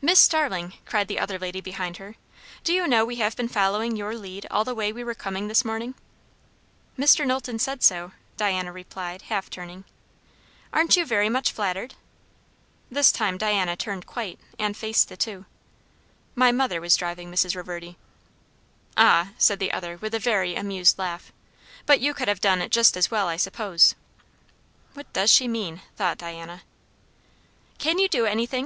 "Miss Starling!" cried the other lady behind her, "do you know we have been following your lead all the way we were coming this morning?" "Mr. Knowlton said so," Diana replied, half turning. "Aren't you very much flattered?" This time Diana turned quite, and faced the two. "My mother was driving, Mrs. Reverdy." "Ah?" said the other with a very amused laugh. "But you could have done it just as well, I suppose." What does she mean? thought Diana. "Can you do anything?"